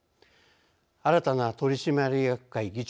新たな取締役会議長